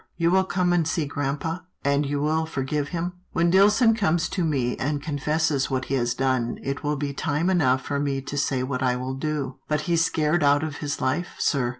you will come and see grampa, and you will forgive him? "" When Dillson comes to me, and confesses what he has done, it will be time enough for me to say what I will do." " But he's scared out of his life, sir.